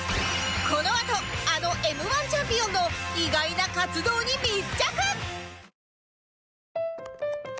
このあとあの Ｍ−１ チャンピオンの意外な活動に密着！